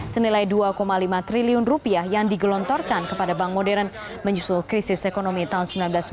senilai dua lima triliun rupiah yang digelontorkan kepada bank modern menyusul krisis ekonomi tahun seribu sembilan ratus sembilan puluh sembilan